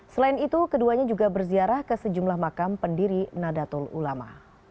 selain itu keduanya juga berziarah ke sejumlah makam pendiri nadatul ulama